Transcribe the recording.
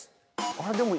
ああでも。